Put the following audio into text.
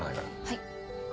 はい。